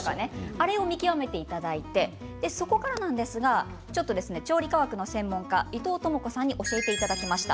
あれを見極めていただいてそこからなんですがちょっと調理科学の専門家伊藤知子さんに教えていただきました。